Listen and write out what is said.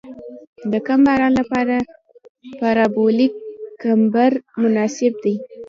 د کم باران لپاره پارابولیک کمبر مناسب دی